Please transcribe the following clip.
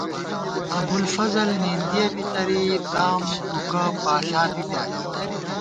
ابُوالفضل نېندِیَہ بی تَرِی ، بڑام ٹوکہ پاݪا بی پیانی